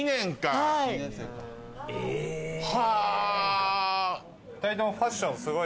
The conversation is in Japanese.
はあ。